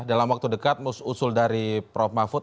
dalam waktu dekat usul dari prof mahfud